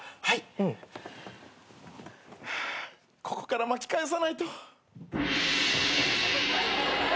ハァここから巻き返さないと。